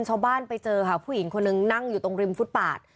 ชาวบ้านไปเจอค่ะผู้หญิงคนนึงนั่งอยู่ตรงริมฟุตปาด